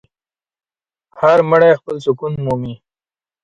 هر مړی خپل سکون مومي.